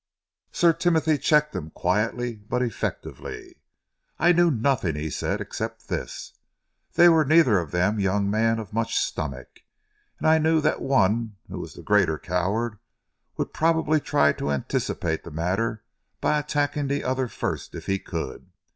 Sir Timothy checked him quietly but effectively. "I knew nothing," he said, "except this. They were neither of them young men of much stomach, and I knew that the one who was the greater coward would probably try to anticipâté the matter by attacking the other first if he could.